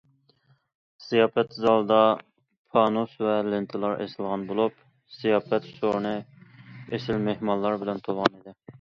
زىياپەت زالىدا، پانۇس ۋە لېنتىلار ئېسىلغان بولۇپ، زىياپەت سورۇنى ئېسىل مېھمانلار بىلەن تولغان ئىدى.